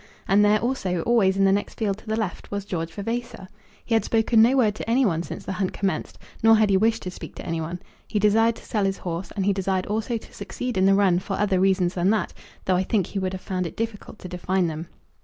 And there, also, always in the next field to the left, was George Vavasor. He had spoken no word to any one since the hunt commenced, nor had he wished to speak to any one. He desired to sell his horse, and he desired also to succeed in the run for other reasons than that, though I think he would have found it difficult to define them.